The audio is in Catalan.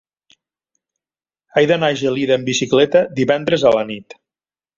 He d'anar a Gelida amb bicicleta divendres a la nit.